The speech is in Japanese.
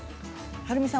はるみさん